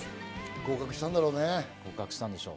合格したんだろうね？